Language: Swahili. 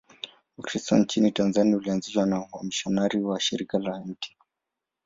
Ukristo nchini Tanzania ulianzishwa na wamisionari wa Shirika la Mt.